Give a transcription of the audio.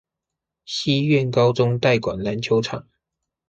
西苑高中代管籃球場